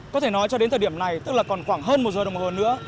có thể nói cho đến thời điểm này tức là còn khoảng hơn một giờ đồng hồ nữa